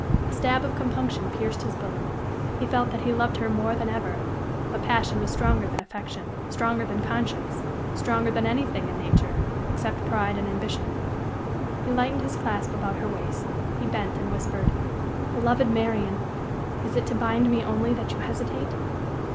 A stab of compunction pierced his bosom; he felt that he loved her more than ever, but passion was stronger than affection, stronger than conscience, stronger than anything in nature, except pride and ambition. He lightened his clasp about her waist he bent and whispered: "Beloved Marian, is it to bind me only that you hesitate?"